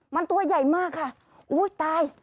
มันตัวใหญ่มากค่ะอุ้ยตาย